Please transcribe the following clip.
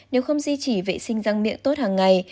nếu không duy trì vệ sinh răng miệng tốt hàng ngày